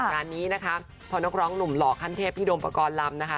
งานนี้นะคะพอนักร้องหนุ่มหล่อขั้นเทพพี่โดมปกรณ์ลำนะคะ